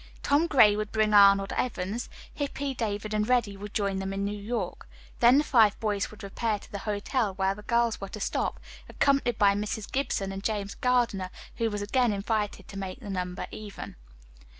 Tom Gray would bring Arnold Evans. Hippy, David and Reddy would join them in New York. Then the five boys would repair to the hotel where the girls were to stop, accompanied by Mrs. Gibson and James Gardiner, who was again invited to make the number even.